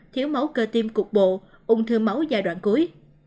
thiếu máu cơ tim cục bộ ung thư máu giai đoạn cuối